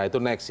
itu next ya